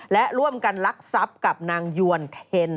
และร่วมกันลักทรัพย์กับนางยวนเทน